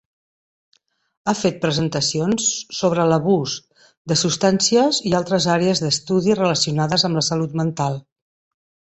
Ha fet presentacions sobre l'abús de substàncies i altres àrees d'estudi relacionades amb la salut mental.